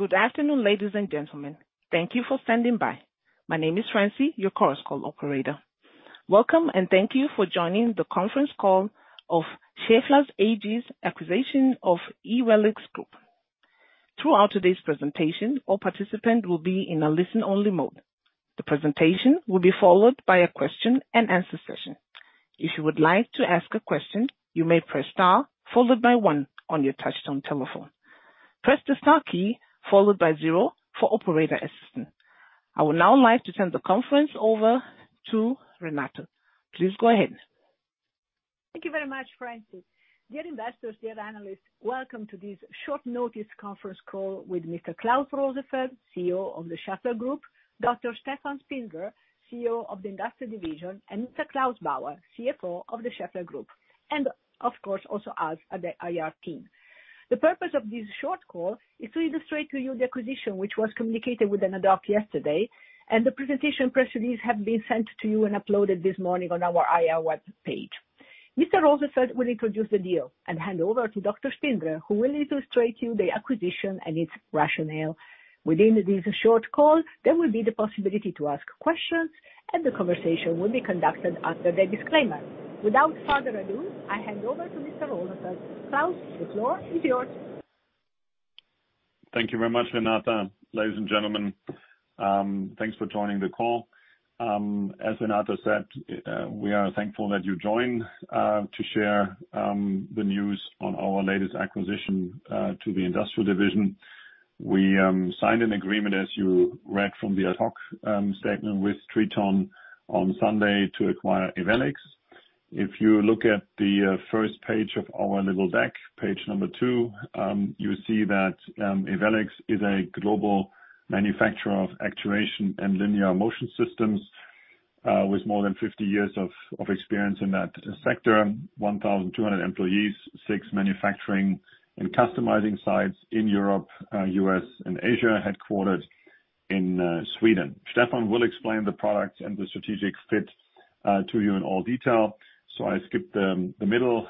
Good afternoon, ladies and gentlemen. Thank you for standing by. My name is Francie, your Chorus Call operator. Welcome, and thank you for joining the conference call of Schaeffler AG's acquisition of Ewellix Group. Throughout today's presentation, all participants will be in a listen-only mode. The presentation will be followed by a question-and-answer session. If you would like to ask a question, you may press star followed by one on your touchtone telephone. Press the star key followed by zero for operator assistance. I would now like to turn the conference over to Renata. Please go ahead. Thank you very much, Francie. Dear investors, dear analysts, welcome to this short notice conference call with Mr. Klaus Rosenfeld, CEO of the Schaeffler Group, Dr. Stefan Spindler, CEO of the Industrial Division, and Mr. Claus Bauer, CFO of the Schaeffler Group, and of course, also us at the IR team. The purpose of this short call is to illustrate to you the acquisition, which was communicated with an ad hoc yesterday, and the presentation press release has been sent to you and uploaded this morning on our IR web page. Mr. Rosenfeld will introduce the deal and hand over to Dr. Spindler, who will illustrate to you the acquisition and its rationale. Within this short call, there will be the possibility to ask questions, and the conversation will be conducted after the disclaimer. Without further ado, I hand over to Mr. Rosenfeld. Klaus, the floor is yours. Thank you very much, Renata. Ladies and gentlemen, thanks for joining the call. As Renata said, we are thankful that you joined to share the news on our latest acquisition to the Industrial Division. We signed an agreement, as you read from the ad hoc statement, with Triton on Sunday to acquire Ewellix. If you look at the first page of our little deck, page number two, you see that Ewellix is a global manufacturer of actuation and linear motion systems with more than 50 years of experience in that sector, 1,200 employees, six manufacturing and customizing sites in Europe, U.S., and Asia, headquartered in Sweden. Stefan will explain the products and the strategic fit to you in all detail. I skip the middle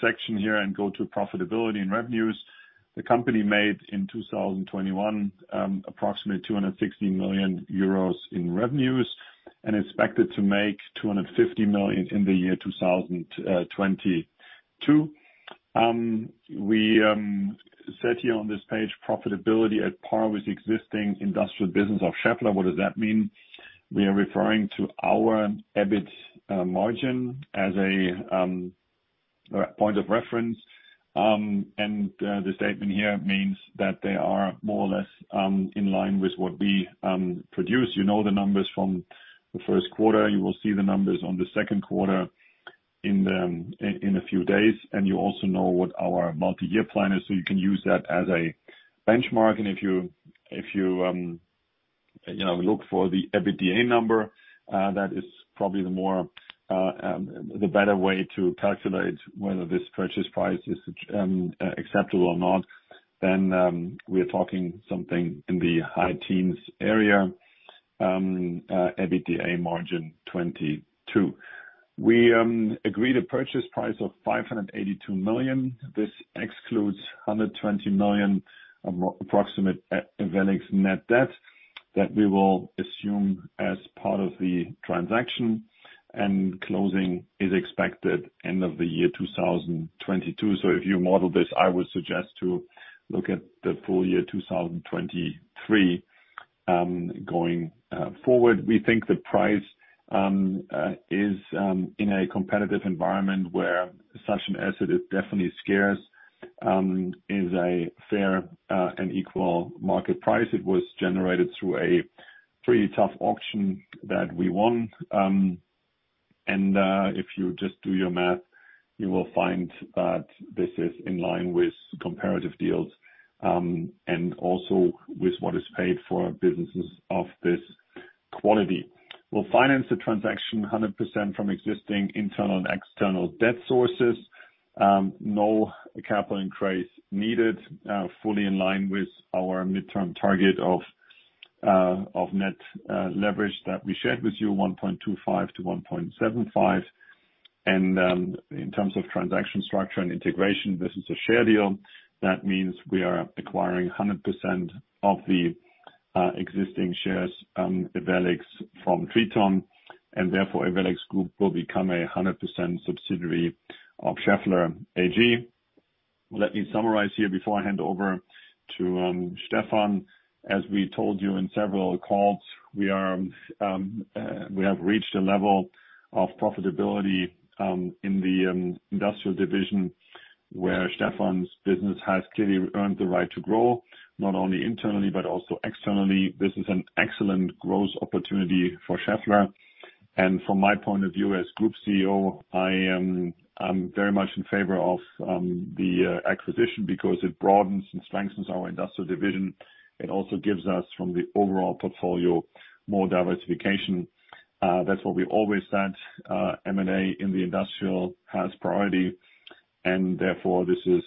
section here and go to profitability and revenues. The company made in 2021 approximately 260 million euros in revenues and expected to make 250 million in the year 2022. We said here on this page, profitability at par with existing industrial business of Schaeffler. What does that mean? We are referring to our EBIT margin as a point of reference. The statement here means that they are more or less in line with what we produce. You know the numbers from the first quarter. You will see the numbers on the second quarter in a few days. You also know what our multi-year plan is, so you can use that as a benchmark. If you you know look for the EBITDA number, that is probably the more, the better way to calculate whether this purchase price is acceptable or not, then we're talking something in the high teens area EBITDA margin 2022. We agreed a purchase price of 582 million. This excludes 120 million approximate Ewellix net debt that we will assume as part of the transaction. Closing is expected end of the year 2022. If you model this, I would suggest to look at the full year 2023 going forward. We think the price is in a competitive environment where such an asset is definitely scarce, is a fair and equal market price. It was generated through a pretty tough auction that we won. If you just do your math, you will find that this is in line with comparative deals, and also with what is paid for businesses of this quality. We'll finance the transaction 100% from existing internal and external debt sources. No capital increase needed, fully in line with our midterm target of net leverage that we shared with you, 1.25-1.75. In terms of transaction structure and integration, this is a share deal. That means we are acquiring 100% of the existing shares, Ewellix from Triton, and therefore Ewellix Group will become a 100% subsidiary of Schaeffler AG. Let me summarize here before I hand over to Stefan. As we told you in several calls, we have reached a level of profitability in the Industrial Division, where Stefan's business has clearly earned the right to grow, not only internally but also externally. This is an excellent growth opportunity for Schaeffler. From my point of view as Group CEO, I'm very much in favor of the acquisition because it broadens and strengthens our Industrial Division. It also gives us, from the overall portfolio, more diversification. That's what we always said, M&A in the Industrial has priority, and therefore this is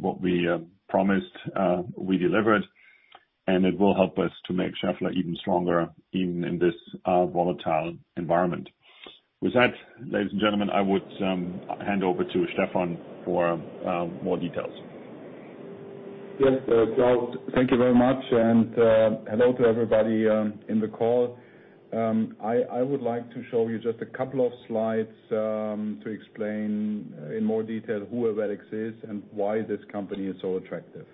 what we promised. We delivered. It will help us to make Schaeffler even stronger, even in this volatile environment. With that, ladies and gentlemen, I would hand over to Stefan for more details. Yes, thank you very much, and hello to everybody in the call. I would like to show you just a couple of slides to explain in more detail who Ewellix is and why this company is so attractive.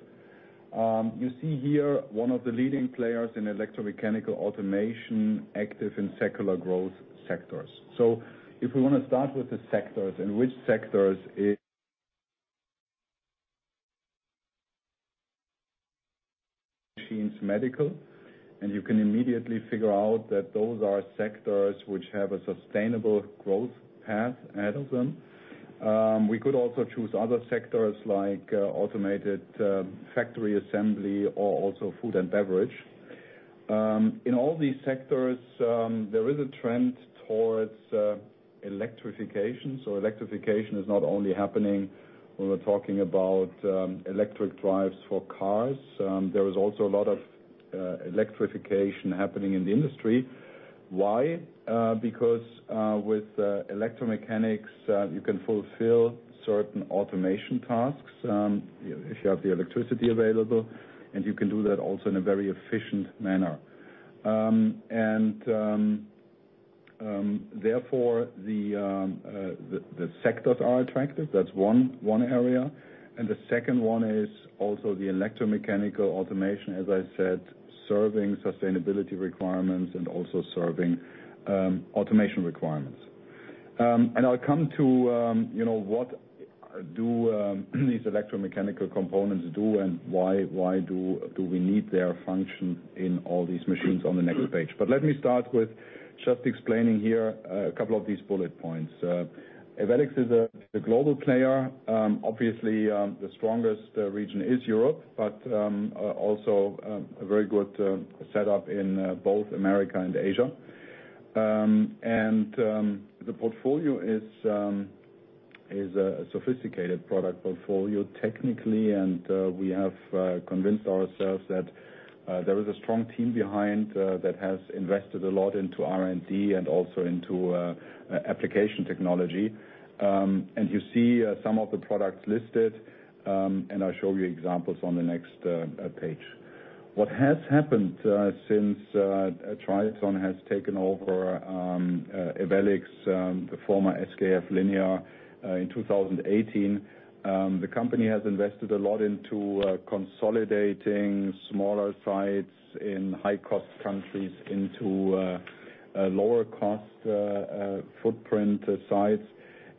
You see here one of the leading players in electromechanical automation active in secular growth sectors. If we wanna start with the sectors, machines, medical, and you can immediately figure out that those are sectors which have a sustainable growth path ahead of them. We could also choose other sectors like automated factory assembly or also food and beverage. In all these sectors, there is a trend towards electrification. Electrification is not only happening when we're talking about electric drives for cars. There is also a lot of electrification happening in the industry. Why? Because with electromechanics you can fulfill certain automation tasks if you have the electricity available, and you can do that also in a very efficient manner. Therefore the sectors are attractive. That's one area. The second one is also the electromechanical automation, as I said, serving sustainability requirements and also serving automation requirements. I'll come to you know what do these electromechanical components do and why do we need their function in all these machines on the next page. Let me start with just explaining here a couple of these bullet points. Ewellix is a global player. Obviously, the strongest region is Europe, but also a very good setup in both America and Asia. The portfolio is a sophisticated product portfolio technically, and we have convinced ourselves that there is a strong team behind that has invested a lot into R&D and also into application technology. You see some of the products listed, and I'll show you examples on the next page. What has happened since Triton has taken over Ewellix, the former SKF [Linear], in 2018, the company has invested a lot into consolidating smaller sites in high-cost countries into lower cost footprint sites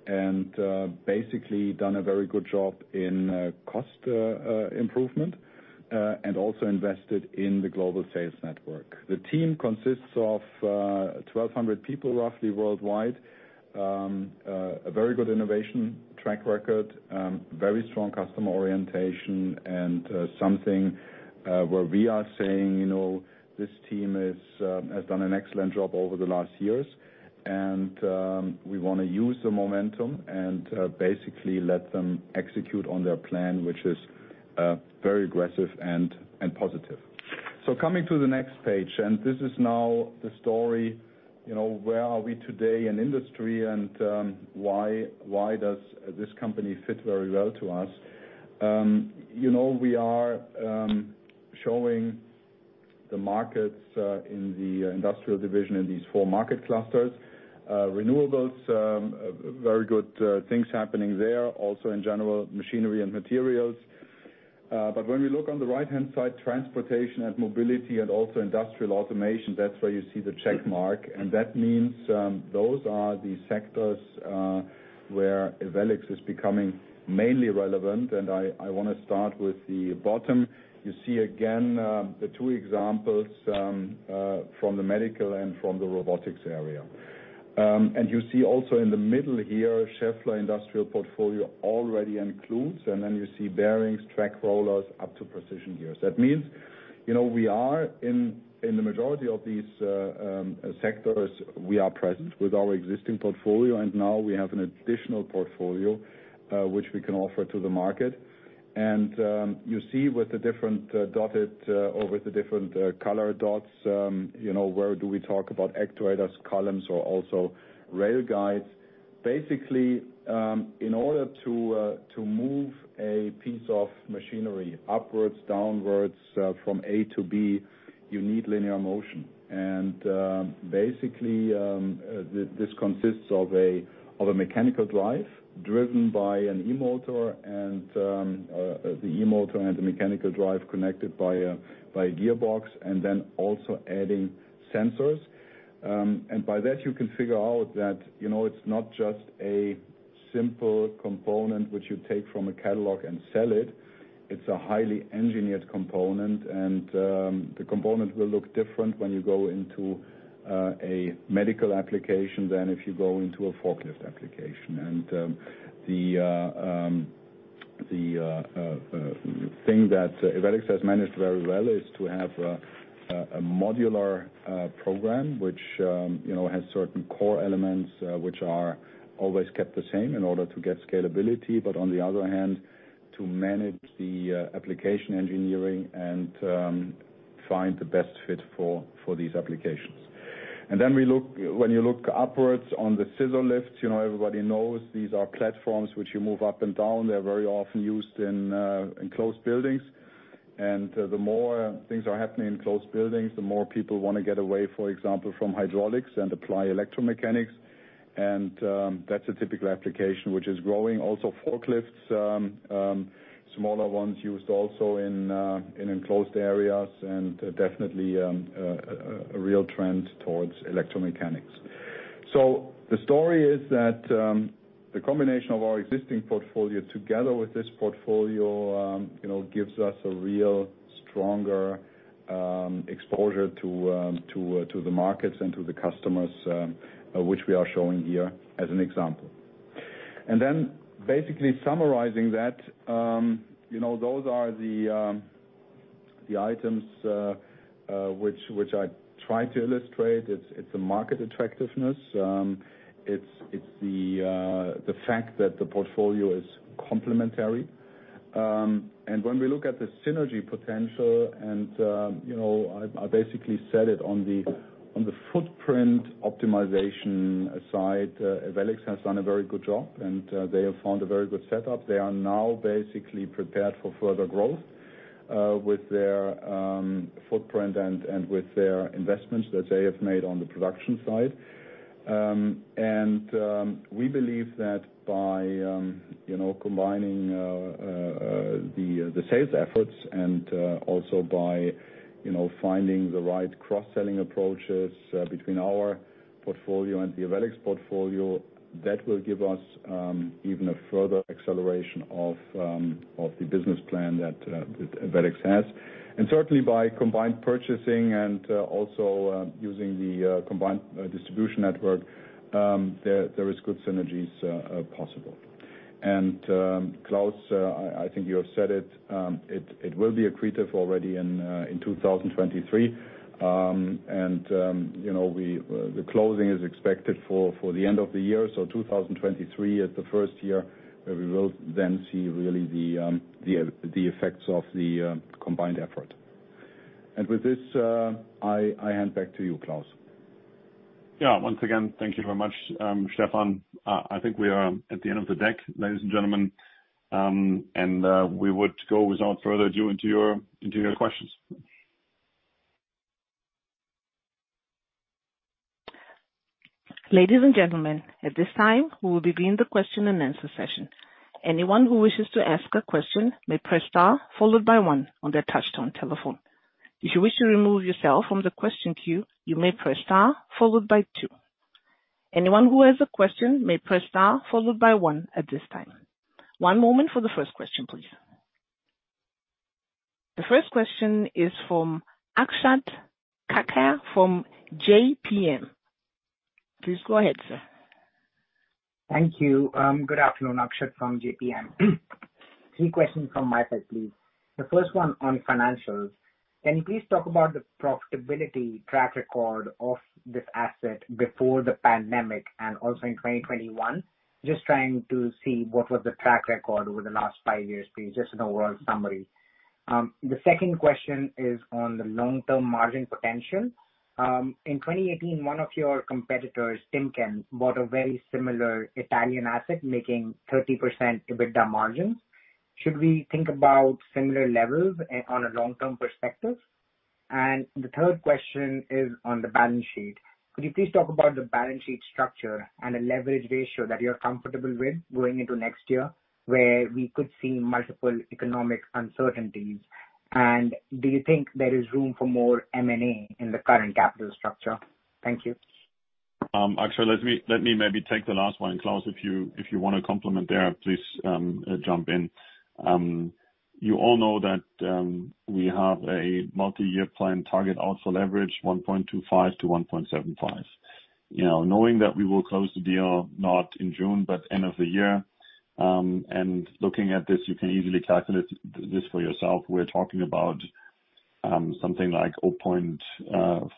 and basically done a very good job in cost improvement and also invested in the global sales network. The team consists of 1,200 people roughly worldwide. A very good innovation track record, very strong customer orientation and something where we are saying, you know, this team has done an excellent job over the last years. We wanna use the momentum and basically let them execute on their plan, which is very aggressive and positive. Coming to the next page, and this is now the story, you know, where are we today in industry and why does this company fit very well to us? You know, we are showing the markets in the Industrial Division in these four market clusters. Renewables, very good things happening there, also in general machinery and materials. When we look on the right-hand side, transportation and mobility and also industrial automation, that's where you see the check mark, and that means those are the sectors where Ewellix is becoming mainly relevant. I wanna start with the bottom. You see again the two examples from the medical and from the robotics area. You see also in the middle here, Schaeffler Industrial portfolio already includes, and then you see bearings, track rollers, up to precision gears. That means, you know, we are in the majority of these sectors, we are present with our existing portfolio, and now we have an additional portfolio, which we can offer to the market. You see with the different color dots, you know, where do we talk about actuators, columns or also rail guides. Basically, in order to move a piece of machinery upwards, downwards, from A to B, you need linear motion. Basically, this consists of a mechanical drive driven by an e-motor and the e-motor and the mechanical drive connected by a gearbox, and then also adding sensors. By that you can figure out that, you know, it's not just a simple component which you take from a catalog and sell it. It's a highly engineered component. The component will look different when you go into a medical application than if you go into a forklift application. The thing that Ewellix has managed very well is to have a modular program which, you know, has certain core elements which are always kept the same in order to get scalability. On the other hand, to manage the application engineering and find the best fit for these applications. When you look upwards on the scissor lifts, you know, everybody knows these are platforms which you move up and down. They're very often used in enclosed buildings. The more things are happening in closed buildings, the more people wanna get away, for example, from hydraulics and apply electromechanics. That's a typical application which is growing. Also forklifts, smaller ones used also in enclosed areas and definitely a real trend towards electromechanics. The story is that the combination of our existing portfolio together with this portfolio, you know, gives us a really stronger exposure to the markets and to the customers, which we are showing here as an example. Basically summarizing that, you know, those are the items which I try to illustrate. It's a market attractiveness. It's the fact that the portfolio is complementary. When we look at the synergy potential and, you know, I basically said it on the footprint optimization side, Ewellix has done a very good job, and they have found a very good setup. They are now basically prepared for further growth, with their footprint and with their investments that they have made on the production side. We believe that by, you know, combining the sales efforts and also by, you know, finding the right cross-selling approaches between our portfolio and the Ewellix portfolio, that will give us even a further acceleration of the business plan that Ewellix has. Certainly by combined purchasing and also using the combined distribution network, there is good synergies possible. Klaus, I think you have said it will be accretive already in 2023. The closing is expected for the end of the year, so 2023 is the first year where we will then see really the effects of the combined effort. With this, I hand back to you, Klaus. Yeah. Once again, thank you very much, Stefan. I think we are at the end of the deck, ladies and gentlemen, and we would go without further ado into your questions. Ladies and gentlemen, at this time we will begin the question-and-answer session. Anyone who wishes to ask a question may press star followed by one on their touchtone telephone. If you wish to remove yourself from the question queue, you may press star followed by two. Anyone who has a question may press star followed by one at this time. One moment for the first question, please. The first question is from Akshay Katkar from JPMorgan. Please go ahead, sir. Thank you. Good afternoon. Akshay Katkar from JPMorgan. Three questions from my side, please. The first one on financials. Can you please talk about the profitability track record of this asset before the pandemic and also in 2021? Just trying to see what was the track record over the last five years please, just an overall summary. The second question is on the long-term margin potential. In 2018, one of your competitors, Timken, bought a very similar Italian asset making 30% EBITDA margins. Should we think about similar levels on a long-term perspective? And the third question is on the balance sheet. Could you please talk about the balance sheet structure and a leverage ratio that you're comfortable with going into next year, where we could see multiple economic uncertainties? And do you think there is room for more M&A in the current capital structure? Thank you. Akshay, let me maybe take the last one. Claus, if you want to comment there, please, jump in. You all know that we have a multi-year plan target also leverage 1.25-1.75. You know, knowing that we will close the deal not in June but end of the year, and looking at this, you can easily calculate this for yourself. We're talking about something like 0.4x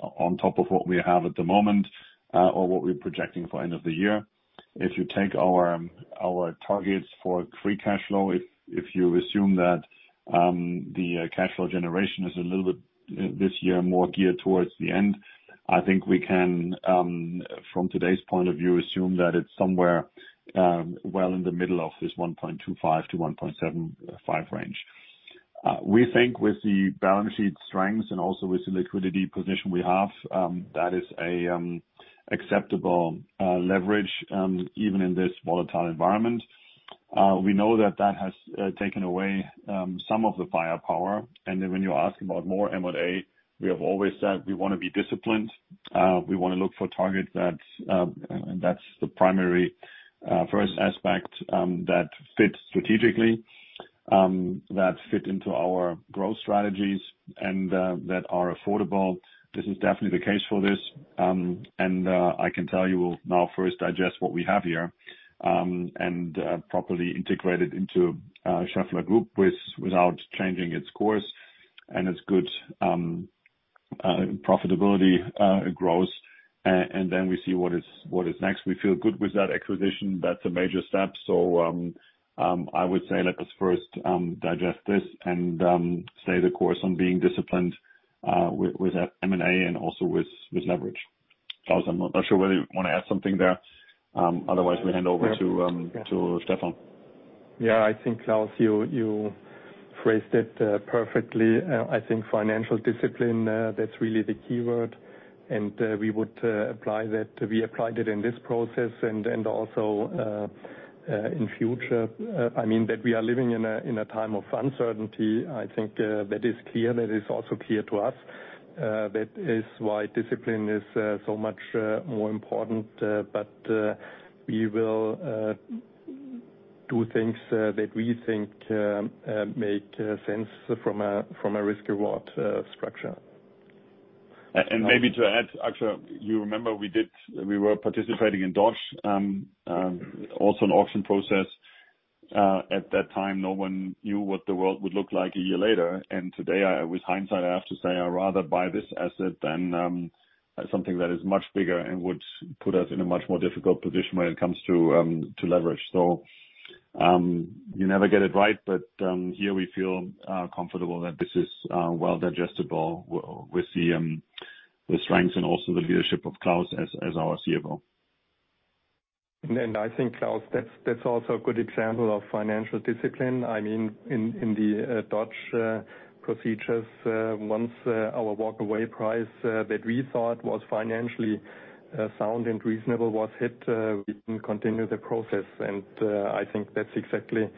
on top of what we have at the moment, or what we're projecting for end of the year. If you take our targets for free cash flow, if you assume that the cash flow generation is a little bit this year more geared towards the end, I think we can from today's point of view assume that it's somewhere well in the middle of this 1.25-1.75 range. We think with the balance sheet strengths and also with the liquidity position we have that is an acceptable leverage even in this volatile environment. We know that that has taken away some of the firepower. Then when you ask about more M&A, we have always said we wanna be disciplined. We wanna look for targets. That's the primary first aspect that fits strategically that fit into our growth strategies and that are affordable. This is definitely the case for this. I can tell you now first digest what we have here and properly integrate it into Schaeffler Group without changing its course. It's good. Profitability grows and then we see what is next. We feel good with that acquisition. That's a major step. I would say let us first digest this and stay the course on being disciplined with M&A and also with leverage. Claus, I'm not sure whether you wanna add something there. Otherwise we hand over to Stefan. Yeah, I think, Klaus, you phrased it perfectly. I think financial discipline, that's really the key word, and we would apply that. We applied it in this process and also in future. I mean, that we are living in a time of uncertainty, I think, that is clear, that is also clear to us. That is why discipline is so much more important. But we will do things that we think make sense from a risk reward structure. Maybe to add, actually, you remember we were participating in Dodge, also an auction process. At that time, no one knew what the world would look like a year later. Today, with hindsight, I have to say I rather buy this asset than something that is much bigger and would put us in a much more difficult position when it comes to leverage. You never get it right, but here we feel comfortable that this is well digestible with the strengths and also the leadership of Klaus as our CFO. I think, Klaus, that's also a good example of financial discipline. I mean, in the Dodge procedures, once our walk away price that we thought was financially sound and reasonable was hit, we didn't continue the process. I think that's exactly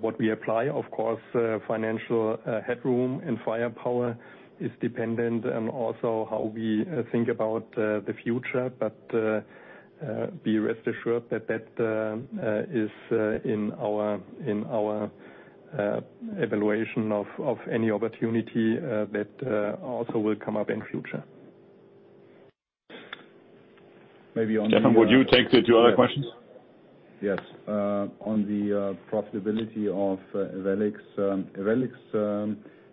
what we apply. Of course, financial headroom and firepower is dependent on also how we think about the future. Rest assured that is in our evaluation of any opportunity that also will come up in future. Maybe Stefan, would you take the two other questions? Yes. On the profitability of Ewellix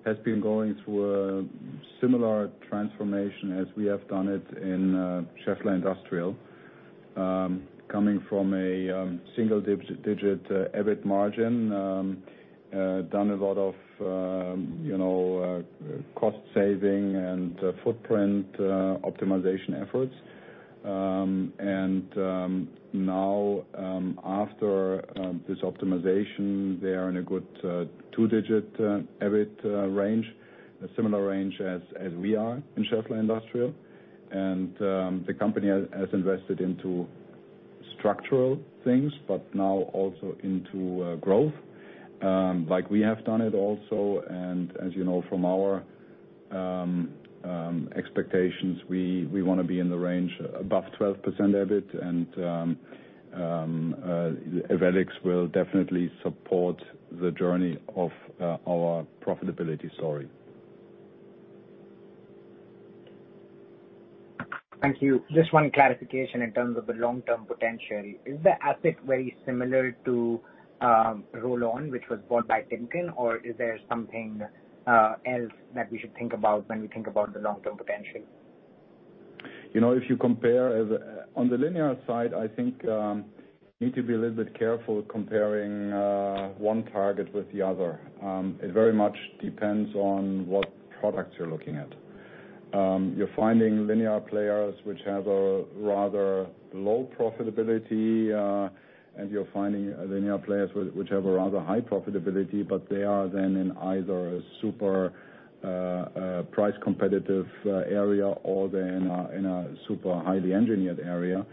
has been going through a similar transformation as we have done it in Schaeffler Industrial. Coming from a single-digit EBIT margin, done a lot of you know, cost saving and footprint optimization efforts. Now, after this optimization, they are in a good two-digit EBIT range, a similar range as we are in Schaeffler Industrial. The company has invested into structural things, but now also into growth, like we have done it also. As you know, from our expectations, we wanna be in the range above 12% EBIT. Ewellix will definitely support the journey of our profitability story. Thank you. Just one clarification in terms of the long-term potential. Is the asset very similar to Rollon, which was bought by Timken, or is there something else that we should think about when we think about the long-term potential? You know, if you compare on the linear side, I think you need to be a little bit careful comparing one target with the other. It very much depends on what products you're looking at. You're finding linear players which have a rather low profitability, and you're finding linear players which have a rather high profitability, but they are then in either a super price competitive area or they're in a super highly engineered area.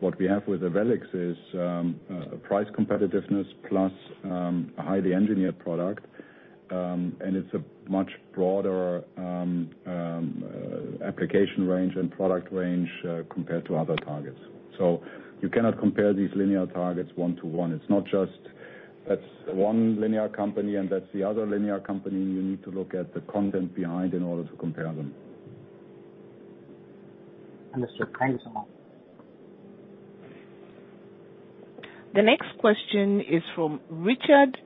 What we have with Ewellix is a price competitiveness plus a highly engineered product. It's a much broader application range and product range compared to other targets. You cannot compare these linear targets one to one. It's not just that's one linear company and that's the other linear company. You need to look at the content behind in order to compare them. Understood. Thank you so much. The next question is from Richard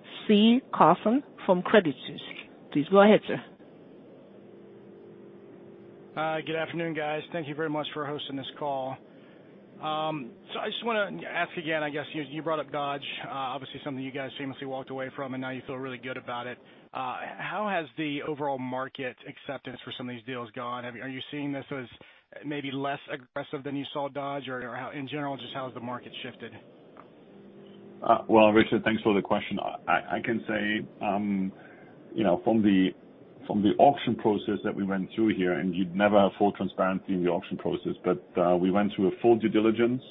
Carlson from Credit Suisse. Please go ahead, sir. Good afternoon, guys. Thank you very much for hosting this call. I just wanna ask again, I guess you brought up Dodge, obviously something you guys famously walked away from, and now you feel really good about it. How has the overall market acceptance for some of these deals gone? Are you seeing this as maybe less aggressive than you saw Dodge? Or how, in general, just how has the market shifted? Well, Richard, thanks for the question. I can say, you know, from the auction process that we went through here, you'd never have full transparency in the auction process, but we went through a full due diligence.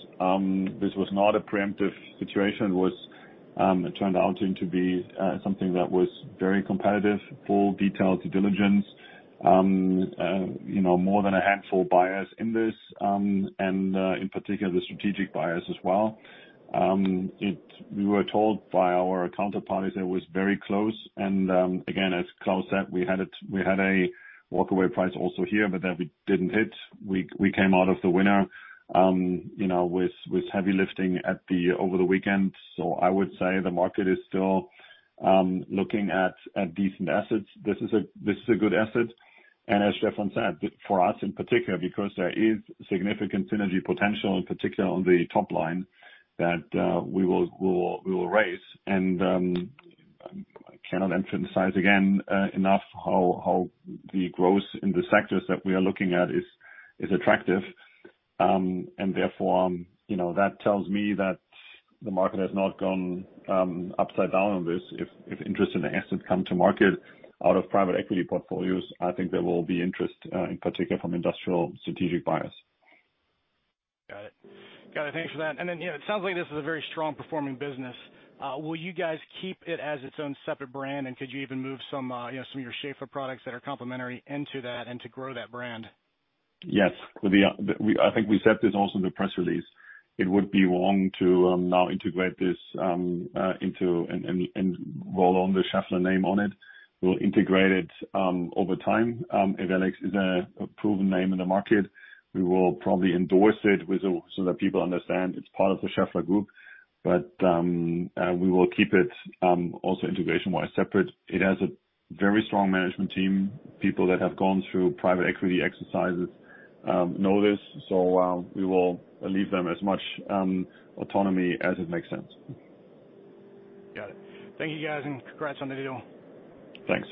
This was not a preemptive situation. It was, it turned out into be something that was very competitive, full detailed due diligence. You know, more than a handful buyers in this, and in particular the strategic buyers as well. We were told by our counterparties it was very close and, again, as Claus said, we had a walkaway price also here, but that we didn't hit. We came out of the winter, you know, with heavy lifting over the weekend. I would say the market is still looking at decent assets. This is a good asset. As Stefan said, for us in particular, because there is significant synergy potential, in particular on the top line, that we will raise. I cannot emphasize again enough how the growth in the sectors that we are looking at is attractive. Therefore, you know, that tells me that the market has not gone upside down on this. If interest in the assets come to market out of private equity portfolios, I think there will be interest in particular from industrial strategic buyers. Got it. Thanks for that. Then, you know, it sounds like this is a very strong performing business. Will you guys keep it as its own separate brand? Could you even move some, you know, some of your Schaeffler products that are complementary into that and to grow that brand? Yes. I think we said this also in the press release. It would be wrong to now integrate this into and roll out the Schaeffler name on it. We'll integrate it over time. Ewellix is a proven name in the market. We will probably endorse it so that people understand it's part of the Schaeffler Group. We will keep it also integration-wise separate. It has a very strong management team. People that have gone through private equity exercises know this, so we will leave them as much autonomy as it makes sense. Got it. Thank you, guys, and congrats on the deal. Thanks.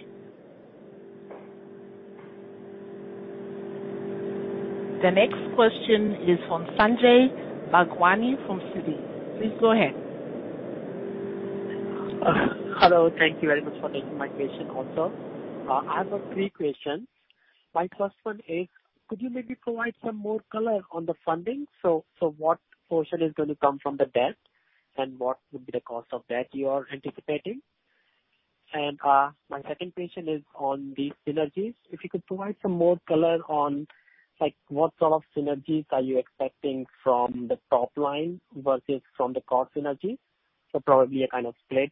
The next question is from Sanjay Bhagwani from Citi. Please go ahead. Hello. Thank you very much for taking my question also. I have three questions. My first one is, could you maybe provide some more color on the funding? So what portion is gonna come from the debt, and what would be the cost of that you are anticipating? My second question is on the synergies. If you could provide some more color on, like, what sort of synergies are you expecting from the top line versus from the cost synergies? Probably a kind of split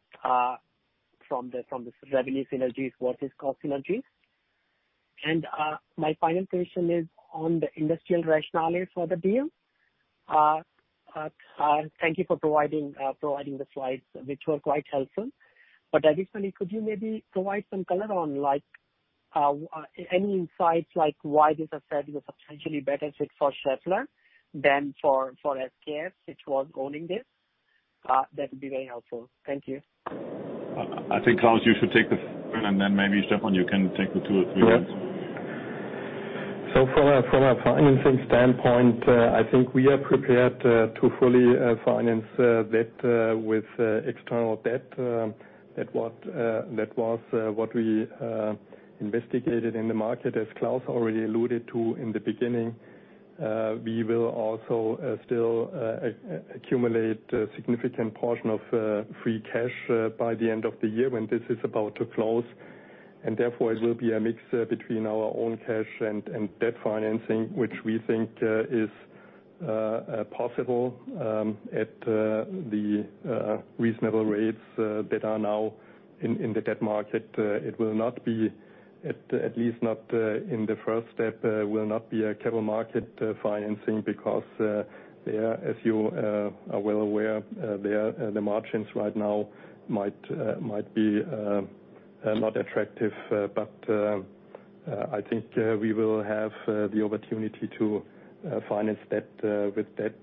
from the revenue synergies versus cost synergies. My final question is on the industrial rationale for the deal. Thank you for providing the slides, which were quite helpful. Additionally, could you maybe provide some color on, like, any insights, like why this asset is a substantially better fit for Schaeffler than for SKF, which was owning this? That would be very helpful. Thank you. I think, Claus, you should take this one, and then maybe, Stefan, you can take the two or three ones. Sure. From a financing standpoint, I think we are prepared to fully finance debt with external debt, that was what we investigated in the market. As Klaus already alluded to in the beginning, we will also still accumulate a significant portion of free cash by the end of the year when this is about to close. Therefore, it will be a mix between our own cash and debt financing, which we think is possible at the reasonable rates that are now in the debt market. It will not be, at least not in the first step, a capital market financing because they are, as you are well aware, the margins right now might be not attractive. I think we will have the opportunity to finance that with debt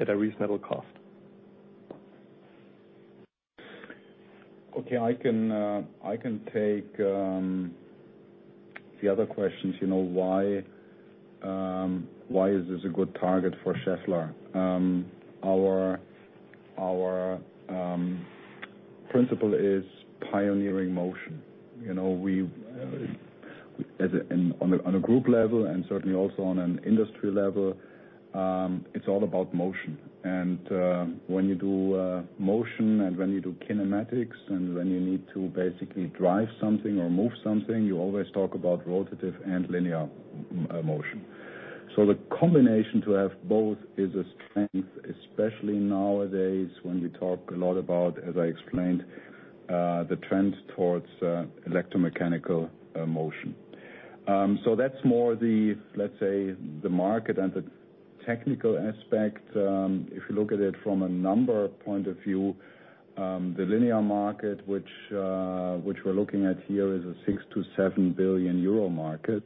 at a reasonable cost. Okay. I can take the other questions. You know, why is this a good target for Schaeffler? Our principle is pioneering motion. You know, we on a group level and certainly also on an industry level, it's all about motion. When you do motion and when you do kinematics and when you need to basically drive something or move something, you always talk about rotative and linear motion. So the combination to have both is a strength, especially nowadays, when we talk a lot about, as I explained, the trends towards electromechanical motion. So that's more the, let's say, the market and the technical aspect. If you look at it from a number point of view, the linear market, which we're looking at here, is a 6 billion-7 billion euro market.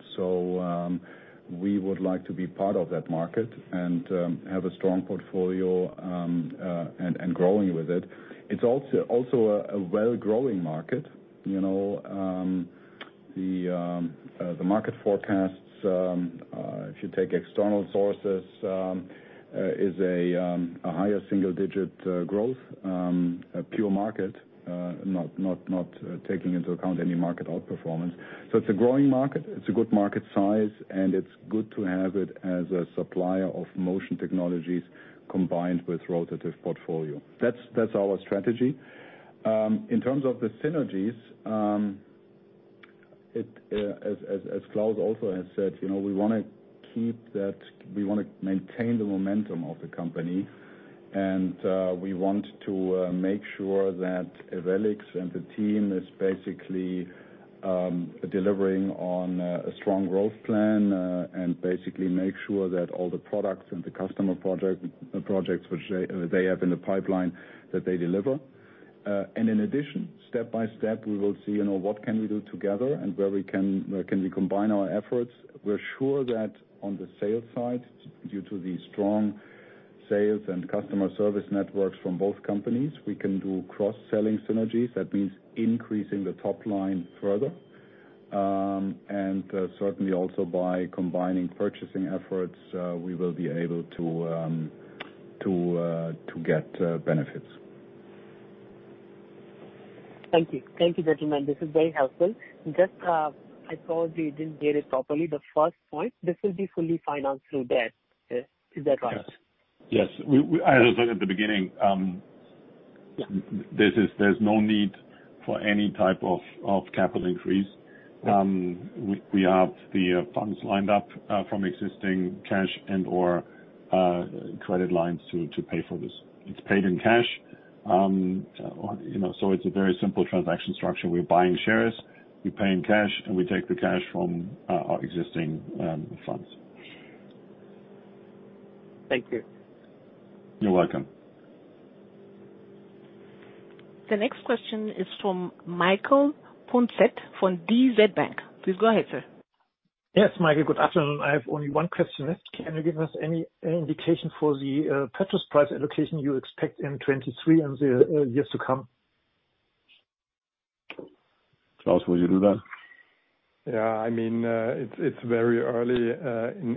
We would like to be part of that market and have a strong portfolio and growing with it. It's also a well-growing market. You know, the market forecasts, if you take external sources, is a higher single-digit growth, a pure market, not taking into account any market outperformance. It's a growing market, it's a good market size, and it's good to have it as a supplier of motion technologies combined with rotative portfolio. That's our strategy. In terms of the synergies, it as Klaus also has said, you know, we wanna maintain the momentum of the company, and we want to make sure that Ewellix and the team is basically delivering on a strong growth plan, and basically make sure that all the products and the customer projects which they have in the pipeline that they deliver. In addition, step-by-step, we will see, you know, what can we do together and where we can combine our efforts. We're sure that on the sales side, due to the strong Sales and customer service networks from both companies. We can do cross-selling synergies. That means increasing the top line further. Certainly also by combining purchasing efforts, we will be able to get benefits. Thank you. Thank you, gentlemen. This is very helpful. Just, I probably didn't get it properly. The first point, this will be fully financed through debt. Is that right? Yes. We, as I said at the beginning. Yeah. There's no need for any type of capital increase. We have the funds lined up from existing cash and/or credit lines to pay for this. It's paid in cash. You know, it's a very simple transaction structure. We're buying shares, we pay in cash, and we take the cash from our existing funds. Thank you. You're welcome. The next question is from Michael Punzet from DZ Bank. Please go ahead, sir. Yes. Michael, good afternoon. I have only one question. Can you give us any indication for the purchase price allocation you expect in 2023 and the years to come? Claus, will you do that? Yeah. I mean, it's very early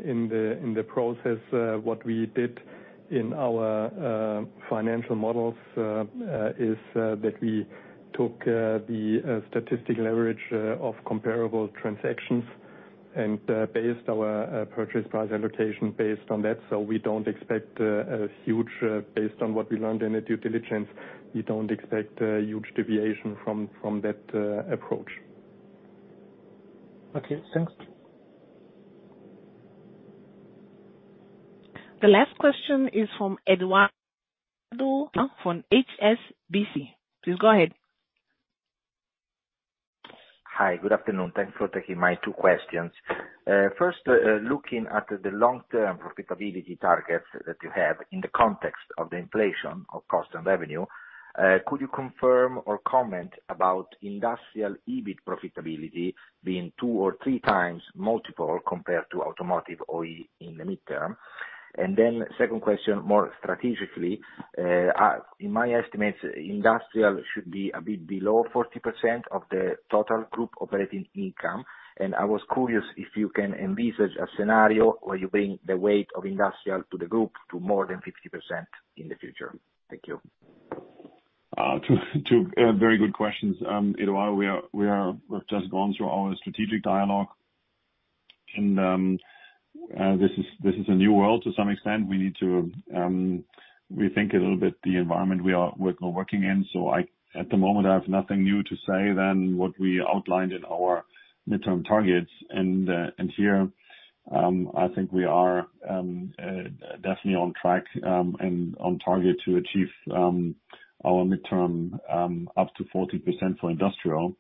in the process. What we did in our financial models is that we took the statistical average of comparable transactions and based our purchase price allocation based on that. We don't expect a huge deviation from that approach, based on what we learned in the due diligence. Okay, thanks. The last question is from Eduardo from HSBC. Please go ahead. Hi, good afternoon. Thanks for taking my two questions. First, looking at the long-term profitability targets that you have in the context of the inflation of cost and revenue, could you confirm or comment about industrial EBIT profitability being 2x or 3x multiple compared to automotive OE in the midterm? Then second question, more strategically, in my estimates, industrial should be a bit below 40% of the total group operating income. I was curious if you can envisage a scenario where you bring the weight of industrial to the group to more than 50% in the future. Thank you. Two very good questions. Eduardo, we've just gone through our strategic dialogue and this is a new world to some extent. We need to rethink a little bit the environment we are working in. At the moment, I have nothing new to say than what we outlined in our midterm targets. Here, I think we are definitely on track and on target to achieve our midterm up to 40% for industrial.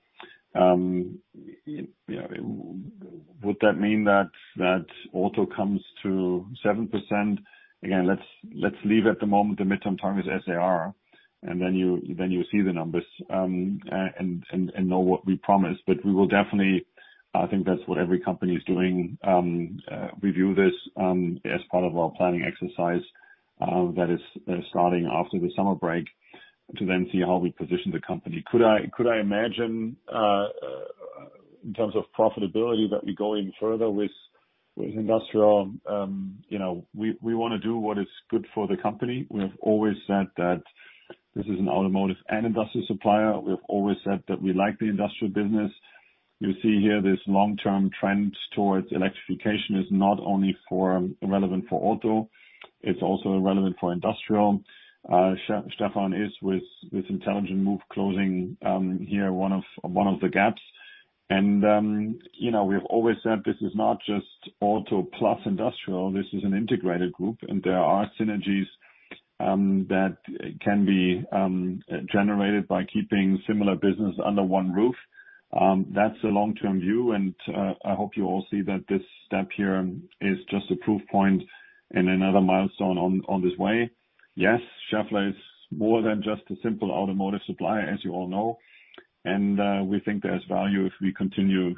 Would that mean that auto comes to 7%? Again, let's leave at the moment the midterm targets as they are, and then you will see the numbers and know what we promised. We will definitely, I think that's what every company is doing, review this, as part of our planning exercise, that is, starting after the summer break, to then see how we position the company. Could I imagine, in terms of profitability that we go in further with industrial? You know, we wanna do what is good for the company. We have always said that this is an automotive and industrial supplier. We have always said that we like the industrial business. You see here, this long-term trend towards electrification is not only relevant for auto, it's also relevant for industrial. Stefan is with Intelligent Move closing, here, one of the gaps. You know, we have always said this is not just auto plus industrial. This is an integrated group, and there are synergies that can be generated by keeping similar business under one roof. That's a long-term view, and I hope you all see that this step here is just a proof point and another milestone on this way. Yes, Schaeffler is more than just a simple automotive supplier, as you all know. We think there's value if we continue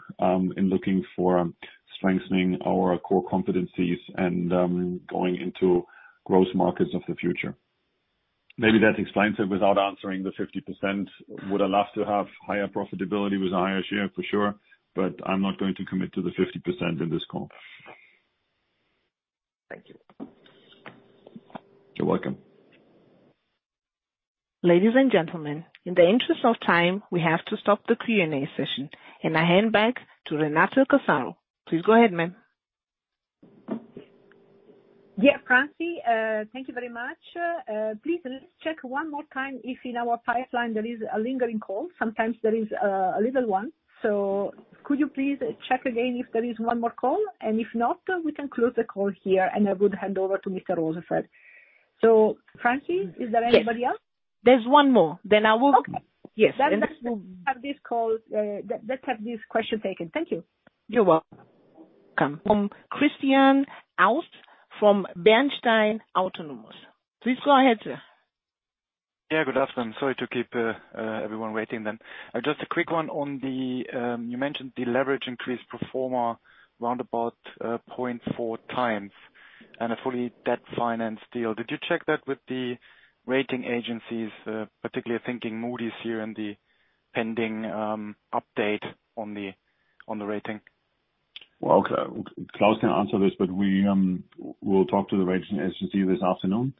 in looking for strengthening our core competencies and going into growth markets of the future. Maybe that explains it without answering the 50%. Would I love to have higher profitability with a higher share? For sure. I'm not going to commit to the 50% in this call. Thank you. You're welcome. Ladies and gentlemen, in the interest of time, we have to stop the Q&A session. I hand back to Renata Casaro. Please go ahead, ma'am. Yeah, Francie, thank you very much. Please, let's check one more time if in our pipeline there is a lingering call. Sometimes there is a little one. Could you please check again if there is one more call? If not, we can close the call here, and I would hand over to Mr. Rosenfeld. Francie, is there anybody else? There's one more, then I will. Okay. Yes. Let's have this call. Let's have this question taken. Thank you. You're welcome. From Christian Aust from Bernstein Autonomous. Please go ahead, sir. Yeah, good afternoon. Sorry to keep everyone waiting then. Just a quick one on the you mentioned the leverage increased pro forma round about 0.4 times and a fully debt-financed deal. Did you check that with the rating agencies, particularly thinking Moody's here and the pending update on the rating? Well, Claus can answer this, but we'll talk to the rating agency this afternoon.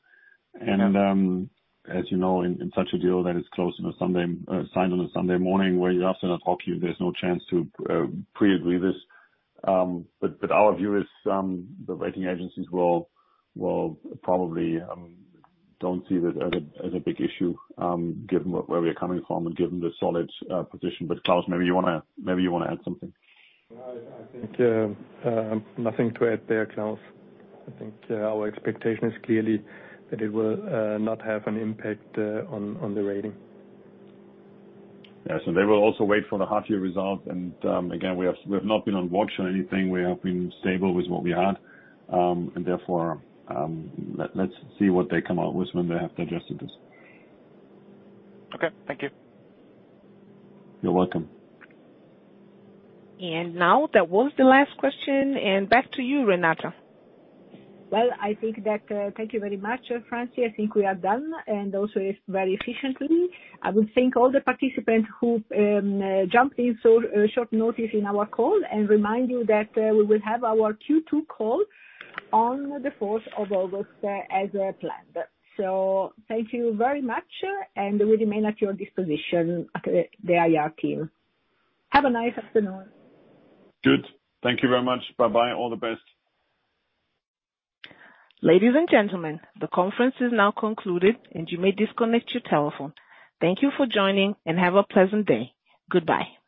Okay. As you know, in such a deal that is closed on a Sunday, signed on a Sunday morning where you often don't talk to your, there's no chance to pre-agree this. But our view is, the rating agencies will probably don't see that as a big issue, given where we're coming from and given the solid position. Claus, maybe you wanna add something. No, I think nothing to add there, Klaus. I think our expectation is clearly that it will not have an impact on the rating. Yeah. They will also wait for the half year result. Again, we have not been on watch or anything. We have been stable with what we had, and therefore, let's see what they come out with when they have digested this. Okay. Thank you. You're welcome. Now that was the last question. Back to you, Renata. Well, I think that, thank you very much, Francie. I think we are done, and also it's very efficient. I would thank all the participants who jumped in on such short notice in our call and remind you that we will have our Q2 call on the 4th of August, as planned. Thank you very much, and we remain at your disposition. The IR team. Have a nice afternoon. Good. Thank you very much. Bye-bye. All the best. Ladies and gentlemen, the conference is now concluded and you may disconnect your telephone. Thank you for joining and have a pleasant day. Goodbye.